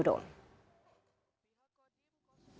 dari yang mana